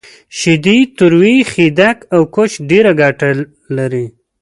شیدې، تروی، خیدک، او کوچ ډیره ګټه لری